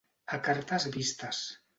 A cartes vistes.